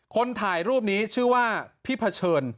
คนถ่ายรูปนี้ชื่อว่าพี่เผชิญ